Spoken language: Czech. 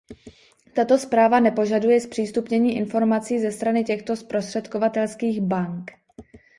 Tato zpráva nepožaduje zpřístupnění informací ze strany těchto zprostředkovatelských bank.